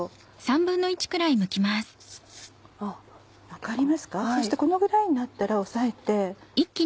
分かりますかそしてこのぐらいになったら押さえて。